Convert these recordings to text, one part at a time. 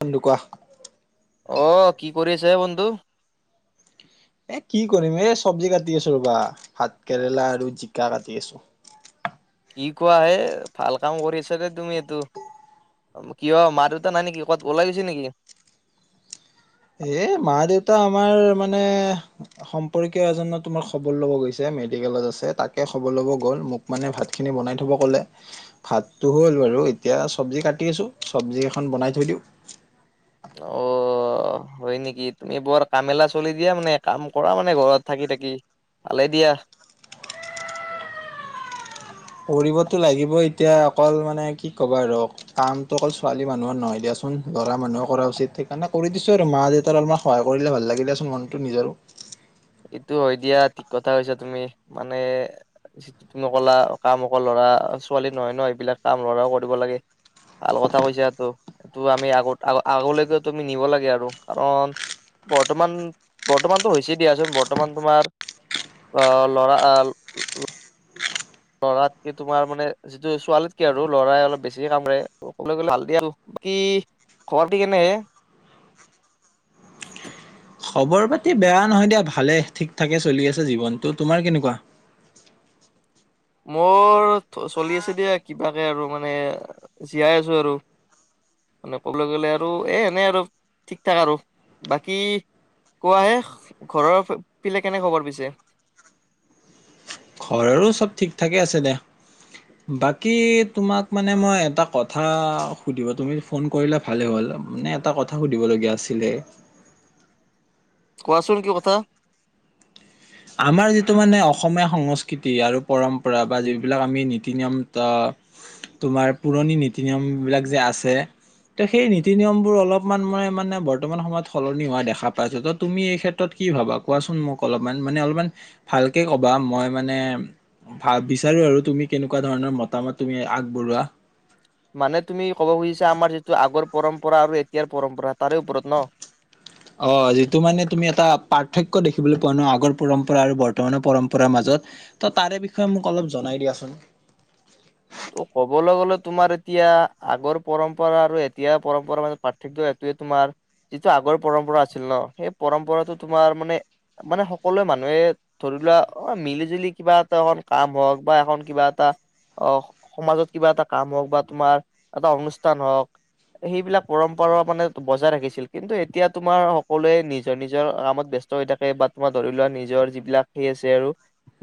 বন্ধু কোৱা। অ কি কৰি আছে হে বন্ধু? এ কি কৰিম। এই চবজি কাটি আছো ৰবা ভাত কেৰেলা আৰু জিকা কাটি আছোঁ। কি কোৱা হে, ভাল কাম কৰি আছ দে তুমি এইটো। কিয় মাৰ -দেউতা নাই নেকি? কবাত ওলাই গৈছে নেকি? এ মা-দেউতা আমাৰ মানে সম্পৰ্কীয় এজনৰ তোমাক খবৰ ল'ব গৈছে মেডিকেলত আছে। তাকে খবৰ ল'ব গ'ল মোক মানে ভাতখিনি বনাই থব ক'লে। ভাতটো হ'ল বাৰু। এতিয়া চবজি কাটি আছো। চবজি এখন বনাই থৈ দিওঁ। অ হয় নেকি? তুমি বৰ কামেলা চলি দিয়া মানে। কাম কৰা মানে ঘৰত থাকি থাকি। ভালে দিয়া। কৰিবতো লাগিব এতিয়া অকল মানে কি ক'বা আৰু কামটো অকল ছোৱালী মানুহৰ নহয় দিয়াচোন। ল'ৰা মানুহেও কৰা উচিত। সেইকাৰণে কৰি দিছো আৰু মা-দেউতাৰ অলপমান সহায় কৰিলে ভাল লাগে দিয়াচোন মনটো নিজৰো। এইটো হয় দিয়া। ঠিক কথা কৈছা তুমি। মানে যিটো তুমি কলা কাম অকল ল'ৰা-ছোৱালী নহয় ন এইবিলাক কাম ল'ৰাও কৰিব লাগে। ভাল কথা কৈছা এইটো। এইটো আমি আগত আ আগলৈকে তুমি নিব লাগে আৰু কাৰণ বৰ্তমান বৰ্তমানতো হৈছে দিয়াচোন বৰ্তমান তোমাৰ আহ ল'ৰা লৰাত কি তোমাৰ মানে যিটো ছোৱালীত কি আৰু লৰাই অলপ বেছিকে কাম কৰে। কবলৈ গলে ভাল দিয়া কি খবৰ খাতি কেনেহে? খবৰ পাতি বেয়া নহয় দিয়া, ভালে। ঠিক ঠাকে চলি আছে জীৱনটো। তোমাৰ কেনেকুৱা? মোৰ চলি আছে দিয়া কিবাকে আৰু মানে জীয়াই আছো আৰু মানে কবলৈ গলে আৰু এ এনে আৰু ঠিক ঠাক আৰু বাকী কোৱাহে ঘৰৰ পিলে কেনে খবৰ পিছে? ঘৰৰো চব ঠিক ঠাকে আছে দে। বাকী তোমাক মানে মই এটা কথা সুধিব তুমি ফোন কৰিলা ভালে হ'ল। মানে এটা কথা সুধিবলগীয়া আ ছিলে কোৱাচোন কি কথা। আমাৰ যিটো মানে অসমীয়া সংস্কৃতি আৰু পৰম্পৰা বা যিবিলাক আমি নীতি-নিয়ম ত তোমাৰ পুৰণি নীতি-নিয়ম বিলাক যে আছে, ত সেই নীতি-নিয়ম বোৰ অলপমান মই মানে বৰ্তমান সময়ত সলনি হোৱা দেখা পাইছো। ত' তুমি এই ক্ষেত্ৰত কি ভাবা কোৱাচোন মোক অলপমান। মানে অলপমান ভালকে কবা। মই মানে ভা বিচাৰো আৰু তুমি কেনেকুৱা ধৰণৰ মতামত তুমি আগবঢ়োৱা। মানে তুমি ক'ব খুজিছা আমাৰ যিটো আগৰ পৰম্পৰা আৰু এতিয়াৰ পৰম্পৰা তাৰে ওপৰত ন? অ যিটো মানে তুমি এটা পাৰ্থক্য দেখিবলৈ পোৱা ন আগৰ পৰম্পৰা আৰু বৰ্তমানৰ পৰম্পৰাৰ মাজত। ত তাৰে বিষয়ে মোক অলপ জনাই দিয়াচোন। ত কবলৈ গলে তোমাৰ এতিয়া আগৰ পৰম্পৰা আৰু এতিয়া পৰম্পৰা মাজত পাৰ্থক্য এইটোৱে তোমাৰ যিটো আগৰ পৰম্পৰা আছিল ন সেই পৰম্পৰাটো তোমাৰ মানে মানে সকলোৱে মানুহে ধৰি লোৱা অ মিলি-জুলি কিবা এটা এখন কাম হওক বা এখন কিবা এটা অহ সমাজত কিবা এটা কাম হওঁক বা তোমাৰ এটা অনুষ্ঠান হওঁক। সেইবিলাক পৰম্পৰা মানে বজাই ৰাখিছিল। কিন্তু এতিয়া তোমাৰ সকলোৱে নিজৰ-নিজৰ কামত ব্যস্ত হৈ থাকে বা তোমাৰ ধৰি লোৱা নিজৰ যিবিলাক সেই আছে আৰু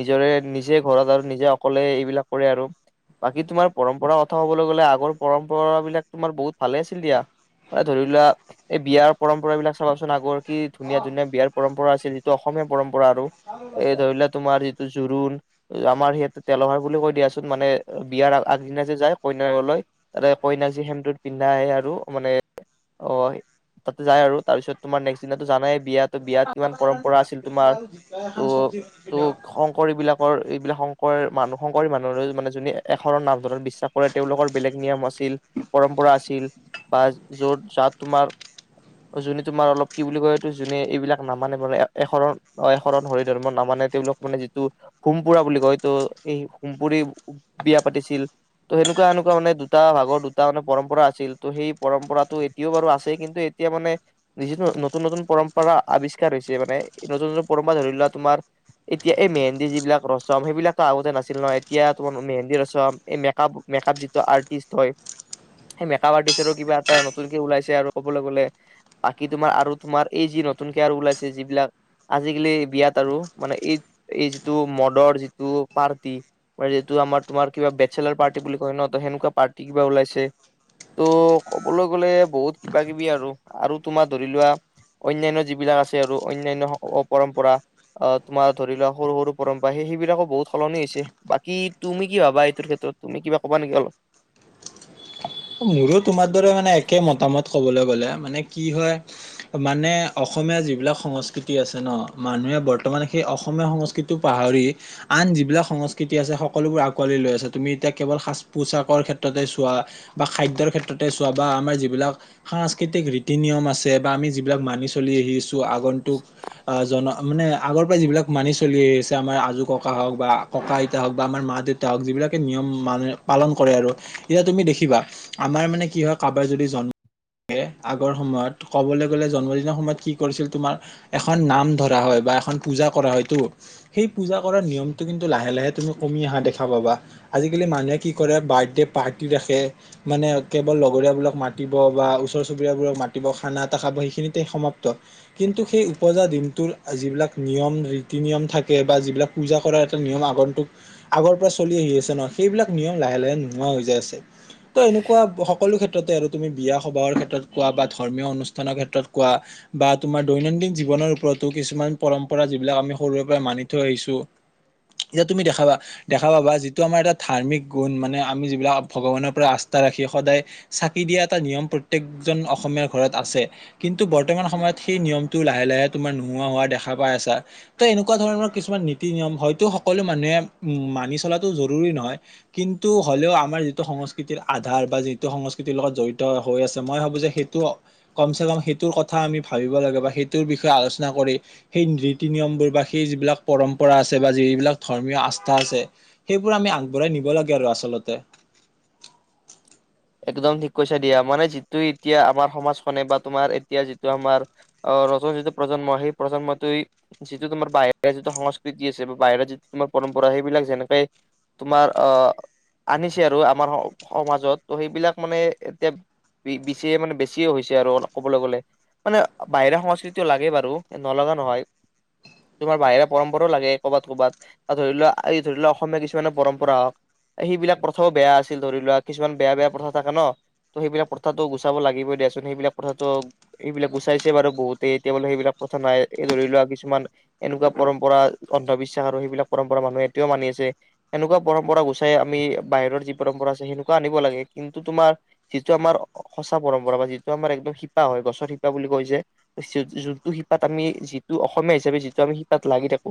নিজৰে নিজে ঘৰত আৰু নিজে অকলে এইবিলাক কৰে আৰু বাকী তোমাৰ পৰম্পৰা কথা কবলৈ গলে আগৰ পৰম্পৰা বিলাক তোমাৰ বহুত ভালে আছিল দিয়া। ম ধৰি লোৱা এই বিয়াৰ পৰম্পৰা বিলাক চাবাচোন আগৰ কি ধুনীয়া-ধুনীয়া বিয়াৰ পৰম্পৰা আছিল যিটো অসমী অসমীয়া পৰম পৰা আৰু এই ধৰি লোৱা তোমাৰ জোৰোণ, আমাৰ সেইটো তেলহাৰ বুলি কৈ দিয়াচোন মানে বিয়াৰ আগদিনা যে যায় কইনাঘৰলৈ। তাতে কইনাক যে সেন্দূৰ পিন্ধাই আৰু মানে অ তাতে যায় আৰু তাৰ পিছত তোমাৰ নেক্স দিনা টো জানাই বিয়া বিয়াত কিমান পৰম্প পৰা আছিল। তোমাৰ ত' ত' শংকৰী বিলাকৰ এইবিলাক শংক কৰী মানুহ শংকৰী মানুহৰে মানে যোনে একশৰণ নাম ধৰ্মত বিশ্বাস কৰে, তেওঁলোকৰ বেলেগ নিয়ম আছিল, পৰম্পৰা আছিল বা য'ত যাত তোমাৰ যোনে তোমাৰ অলপ কি বুলি কয়টো যোনে এইবিলাক নামানে মানে একশৰণ এ শৰণ হৰি ধৰ্ম নামানে তেওঁলোক মানে যিটো হোম পুৰা বুলি কয় তো এই হোম পুৰি বিয়া পাতিছিল ত সেনেকুৱা এনেকুৱা মানে দুটা ভাগৰ দুটা মানে পৰম্পৰা আছিল। ত' সেই পৰম্পৰাটো এতিয়াও বাৰু আছেই কিন্তু এতিয়া মানে যি নতুন-নতুন পৰম্পৰা আৱিষ্কাৰ হৈছে। মানে নতুন-নতুন পৰম্পৰা ধৰি লোৱা তোমাৰ এতিয়া এই মেহেন্দী যিবিলাক ৰচম সেইবিলাকটো আগতে নাছিল নহয়। এতিয়া তোমাৰ মেহেন্দ ৰচম, মেকআপ মেকাপ যিটো আৰ্টিষ্ট হয় সেই মেকাপ আৰ্টিষ্টৰো কিবা এটা নতুনকে ওলাইছে আৰু ক'বলৈ গলে বাকী তোমাৰ আৰু তোমাৰ এই যি নতুনকে আৰু ওলাইছে যিবিলাক আজিকালি বিয়াত আৰু মানে এই এই যিটো মদৰ যিটো পাৰ্টি যিটো আমাৰ তোমাৰ কিবা বেটচেলাৰ পাৰ্টি বুলি কয় ন ত সেনেকুৱা পাৰ্টি কিবা ওলাইছে। ত' ক'বলৈ গ'লে বহুত কিবা-কিবি আৰু আৰু তোমাৰ ধৰি লোৱা অন্যান্য যিবিলাক আছে আৰু অন্যান্য পৰম্পৰা অ তোমাৰ ধৰি লোৱা সৰু-সৰু পৰম্পৰা সেই সেইবিলাকো বহুত সলনি হৈছে। বাকী তুমি কি ভাবা এইটোৰ ক্ষেত্ৰত। তুমি কিবা কবা নেকি অলপ? মোৰো তোমাৰ দৰে মানে একে মতামত কবলৈ গলে মানে কি হয় মানে অসমীয়া যিবিলাক সংস্কৃতি আছে ন, মানুহে বৰ্তমান সেই অসমীয়া সংস্কৃতি পাহৰি আন যিবিলাক সংস্কৃতি আছে সকলোবোৰ আঁকোৱালি লৈ আছে। তুমি এতিয়া কেৱল সাজ-পোছাকৰ ক্ষেত্ৰতে চোৱা বা খাদ্যৰ ক্ষেত্ৰতে চোৱা বা আমাৰ যিবিলাক সাংস্কৃতিক ৰীতি-নিয়ম আছে বা আমি যিবিলাক মানি চলি আহিছোঁ আগন্তুক অ, জনা মানে আগৰ পৰাই যিবিলাক মানি চলি আহিছে, আমাৰ আজু ককা হওক বা ককা আইতা হওক বা আমাৰ মা-দেউতা হওক যিবিলাকে নিয়ম মান পালন কৰে আৰু এতিয়া তুমি দেখিবা। আমাৰ মানে কি হয় কাৰোবাৰ যদি জন্ম দিয়ে, আগৰ সময়ত ক'বলে গ'লে জন্মদিনৰ সময়ত কি কৰিছিল তোমাৰ এখন নাম ধৰা হয় বা এখন পূজা কৰা হয়টো, সেই পূজা কৰাৰ নিয়মটো কিন্তু লাহে-লাহে তুমি কমি অহা দেখা পাবা। আজিকালি মানুহে কি কৰে বাৰ্থডে পাৰ্টি ৰাখে। মানে কেৱল লগৰীয়াবোৰক মাতিব বা ওচৰ চুবুৰীয়াবোৰক মাতিব খানা এটা খাব সেইখিনিতে সমাপ্ত। কিন্তু সেই উপজা দিনটোৰ যিবিলাক নিয়ম, ৰীতি-নিয়ম থাকে বা যিবিলাক পূজা কৰা এটা নিয়ম আগন্তুক আগৰ পৰা চলি আহি আছে ন, সেইবিলাক নিয়ম লাহে-লাহে নোহোৱা হৈ যায় আছে। ত এনেকুৱা সকলো ক্ষেত্ৰতে আৰু তুমি বিয়া, সবাহৰ ক্ষেত্ৰত কোৱা বা ধৰ্মীয় অনুষ্ঠানৰ ক্ষেত্ৰত কোৱা বা তোমাৰ দৈনন্দিন জীৱনৰ ওপৰতো কিছুমান পৰম্পৰা যিবিলাক আমি সৰুৰে পৰা মানি থৈ আহিছো। এতিয়া তুমি দেখাবা, দেখা পাবা যিটো আমাৰ এটা ধাৰ্মিক গুণ মানে আমি যিবিলাক ভগৱানৰ পৰা আস্থা আস্থা ৰাখি সদায় চাকি দিয়া এটা নিয়ম প্ৰত্যয়েকজন অসমীয়াৰ ঘৰত আছে। কিন্তু বৰ্তমান সময়ত সেই নিয়মটো লাহে-লাহে তোমাৰ নোহোৱা হোৱা দেখা পাই আছা। ত এনেকুৱা ধৰণৰ কিছুমান নীতি-নিয়ম হয়তো সকলো মানুহে, উম মানি চলাটো জৰুৰী নহয়। কিন্তু হ'লেও আমাৰ যিটো সংস্কৃতিৰ আধাৰ বা যিটো সংস্কৃতিৰ লগত জড়িত হয়, হৈ আছে মই ভাবো যে সেইটো কমচে কম সেইটোৰ কথা আমি ভাবিব লাগে বা সেইটোৰ বিষয়ে আলোচনা কৰি, সেই ৰীতি নিয়মবোৰ বা সেই যিবিলাক পৰম্পৰা আছে বা যিবিলাক ধৰ্মীয় আস্থা আছে সেইবোৰ আমি আগবঢ়াই নিব লাগে আৰু আচলতে একদম ঠিক কৈছা দিয়া, মানে যিটো এতিয়া আমাৰ সমাজখনে বা তোমাৰ এতিয়া যিটো আমাৰ নতুন যিটো প্ৰজন্ম, সেই প্ৰজন্মটোৱে যিটো তোমাৰ বাহিৰা যিটো সংস্কৃতি আছে বা বাহিৰা যিটো তোমাৰ পৰম্পৰা সেইবিলাক যেনেকাই তোমাৰ অহ, আনিছে আৰু আমাৰ স সমাজত ত' সেইবিলাক মানে এতিয়া বি বিছিয়ে মানে বেছিয়ে হৈ গৈছে আৰু অলপ কবলে গ'লে। মানে বাহিৰা সংস্কৃতিও লাগে বাৰু নলগা নহয়। তোমাৰ বাহিৰা পৰম্পৰাও লাগে কবাত- কবাত, ধৰি লোৱা, এই ধৰি লোৱা অসমীয়া কিছুমানৰ পৰম্পৰা হওক সেইবিলাক প্ৰথাও বেয়া আছিল। ধৰি লোৱা কিছুমান বেয়া-বেয়া প্ৰথা থাকে ন, ত সেইবিলাক প্ৰথাটো গুচাব লাগিবই দিয়াচোন, সেইবিলাক প্ৰথাটো, সেইবিলাক গুচাইছে বাৰু বহুতে এতিয়া বোলে সেইবিলাক প্ৰথা নাই, এই ধৰি লোৱা কিছুমান এনেকুৱা পৰম্পৰা, অন্ধবিশ্বাস আৰু সেইবিলাক পৰম্পৰা মানুহে এতিয়াও মানি আছে। এনেকুৱা পৰম্পৰা গুচাই আমি বাহিৰৰ যি পৰম্পৰা আছে সেনেকুৱা আনি আনিব লাগে। কিন্তু তোমাৰ যিটো আমাৰ সঁচা পৰম্পৰা বা যিটো আমাৰ একদম শিপা হয়, গছৰ শিপা বুলি কৈ যে, যোনটো শিপাত আমি যিটো অসমীয়া হিচাপে যিটো আমি শিপাত লাগি থাকো।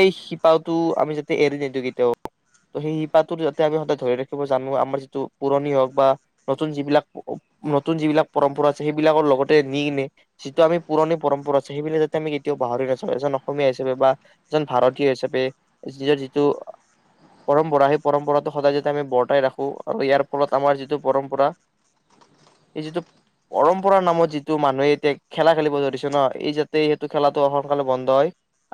এই শিপাটো আমি যাতে এৰি নিদিওঁ কেতিয়াও। ত সেই শিপাটো যাতে আমি সদায় ধৰি ৰাখিব জানো। আমাৰ যিটো পুৰণি হওক বা নতুন যিবিলাক, নতুন যিবিলাক পৰম্পৰা আছে সেইবিলাকৰ লগতে নি নে। যিটো আমি পুৰণি পৰম্পৰা আছে সেইবিলাক যাতে আমি কেতিয়াও পাহৰি নাযাওঁ। এজন অসমীয়া হিচাপে বা এজন ভাৰতীয় হিচাপে। নিজৰ যিটো পৰম্পৰা সেই পৰম্পৰাটো সদায় যাতে আমি বৰ্তাই ৰাখো আৰু ইয়াৰ ফলত আমাৰ যিটো পৰম্পৰা, এই যিটো পৰম্পৰা নামত, যিটো মানুহে এতিয়া খেলা খেলিব ধৰিছে ন, এই যাতে সেইটো খেলাটো সোনকালে বন্ধ হয়,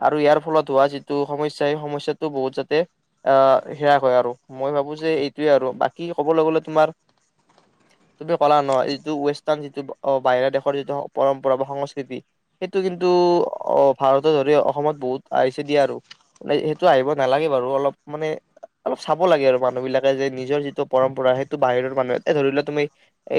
আৰু ইয়াৰ ফলত হোৱা যিটো সমস্যা, এই সমস্যাটো বহুত যাতে, আহ হেৰাস হয় আৰু। মই ভাবো যে এইটোৱে আৰু, বাকী ক'বলৈ গ'লে তোমাৰ, তুমি ক'লা ন যিটো ৱেষ্টাৰ্ণ, যিটো বাহিৰা দেশৰ যিটো পৰম্পৰা বা সংস্কৃতি সেইটো কিন্তু, অ, ভাৰতত ধৰি অসমত বহুত আহিছে দিয়া আৰু। সেইটো আহিব নালাগে বাৰু অলপ মানে, অলপ চাব লাগে আৰু মানুহ বিলাকে যে নিজৰ যিটো পৰম্পৰা, সেইটো বাহিৰৰ মানুহে এই ধৰি লোৱা তুমি,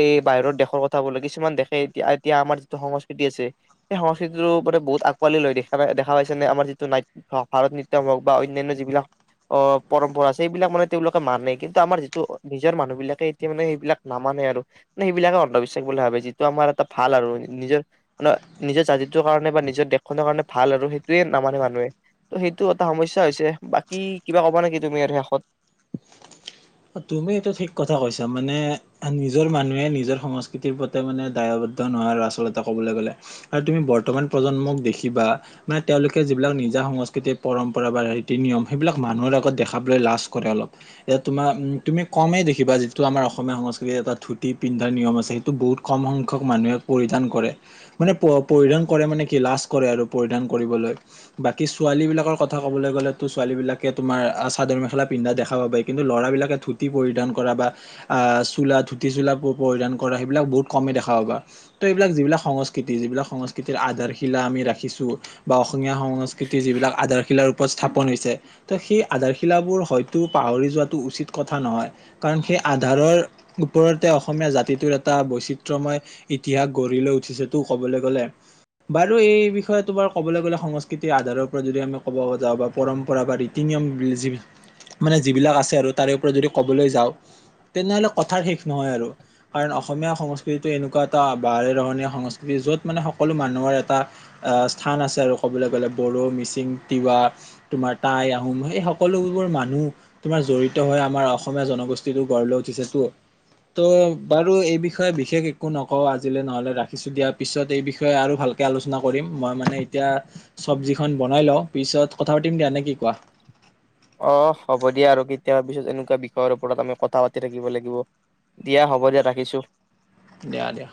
এই বাহিৰৰ দেশৰ কথা কলো কিছুমান দেশে এতিয়া-এতিয়া আমাৰ যিটো সংস্কৃতি আছে, সেই সংস্কৃতিটো মানে বহুত আকোৱালি লৈ দেখা নাই? দেখা পাইছে নে? আমাৰ যিটো নাইট, ভাৰত নিট্যম হওক বা অন্যান্য যিবিলাক অহ পৰম্পৰা আছে, সেইবিলাক মানে তেওঁলোকে মানে, কিন্তু আমাৰ যিটো নিজৰ মানুহ বিলাকে এতিয়া মানে সেইবিলাক নামানে আৰু মানে সেইবিলাকে অন্ধবিশ্বাস বুলি ভাবে। যিটো আমাৰ এটা ভাল আৰু নিজৰ-নিজৰ জাতিটোৰ কাৰণে বা নিজৰ দেশখনৰ কাৰণে ভাল আৰু সেইটোয়ে নামানে মানুহে। ত সেইটো এটা সমস্যা হৈছে বাকী কিবা কবা নেকি তুমি আৰু শেষত? তুমি এইটো ঠিক কথা কৈছা। মানে নিজৰ মানুহে নিজৰ সংস্কৃতিৰ প্ৰতি মানে দায়বদ্ধ নোহোৱাৰ আচলতে কবলে গলে। আৰু তুমি বৰ্তমান প্ৰজন্মক দেখিবা, মানে তেওঁলোকে যিবিলাক নিজা সংস্কৃতিৰ পৰম্পৰা বা ৰীতি নিয়ম সেইবিলাক মানুহৰ আগত দেখাবলৈ লাজ কৰে অলপ। তোমাৰ, উম, তুমি কমেই দেখিবা যিটো আমাৰ অসমীয়া সংস্কৃতিৰ এটা ধুতি পিন্ধাৰ নিয়ম আছে সেইটো বহুত কম সংখ্যক মানুহে পৰিধান কৰে। মানে প পৰিধান কৰে মানে কি লাজ কৰে আৰু পৰিধান কৰিবলৈ। বাকী ছোৱালী বিলাকৰ কথা কবলৈ গ'লেতো ছোৱালী বিলাকে তোমাৰ চাদৰ মেখেলা পিন্ধা দেখা পাবাই। কিন্তু ল'ৰাবলাকে ধূতি পৰিধান কৰা বা আহ চোলা ধূতি চোলা পৰিধান কৰা সেইবিলাক বহুত কমেই দেখা পাবা। ত' এইবিলাক যিবিলাক সংস্কৃতি যিবিলাক সংস্কৃতিৰ আধাৰশিলা আমি ৰাখিছো বা অসমীয়া সংস্কৃতিৰ যিবিলাক আধাৰশিলাৰ ওপৰত স্থাপন হৈছে। ত সেই আধাৰশিলাবোৰ হয়তো পাহৰি যোৱাটো উচিত কথা নহয়। কাৰণ সেই আধাৰৰ ওপৰতে অসমীয়া জাতিটোৰ এটা বৈচিত্ৰ্যময় ইতিহাস গঢ়ি লৈ উঠিছে টো কবলে গ'লে। বাৰু এই বিষয়ে তোমাৰ কবলে গ'লে সংস্কৃতিৰ আধাৰৰ পৰা যদি আমি ক'ব যাওঁ বা পৰম্পৰা বা ৰীতি নিয়ম। মানে যিবিলাক আছে। তাৰো তাৰে ওপৰত যদি ক'বলৈ যাওঁ, তেনেহলে কথাৰ শেষ নহয় আৰু, কাৰণ অসমীয়া সংস্কৃতি এনেকুৱা এটা বাৰে ৰহণীয়া সংস্কৃতি য'ত মানে সকলো মানুহৰ এটা আহ স্থান আছে আৰু ক'বলৈ গ'লে। বড়ো, মিচিং, তিৱা, তোমাৰ তাই আহোম সেই সকলোবোৰ মানুহ তোমাৰ জড়িত। জড়িত হৈ, আমাৰ অসমীয়া জনগোষ্ঠীবোৰ গঢ় লৈ উঠিছে তো। ত' বাৰু এই বিষয়ে বিশেষ একো নকওঁ আজিলৈ নহলে ৰাখিছো দিয়া, পিছত এই বিষয়ে আৰু ভালকে আলোচনা কৰিম। মই মানে এতিয়া চব্জিখন বনাই লওঁ, পিছত কথা পাতিম দিয়া, নে কি কোৱা? অ, হ'ব দিয়া আৰু কেতিয়াবা পিছত এনেকুৱা বিষয়ৰ ওপৰত আমি কথা পাতি থাকিব লাগিব। দিয়া হ'ব দিয়া ৰাখিছো। দিয়া-দিয়া।